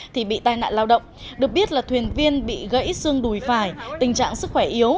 thì bị tai nạn lao động được biết là thuyền viên bị gãy xương đùi phải tình trạng sức khỏe yếu